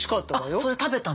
あそれ食べたの？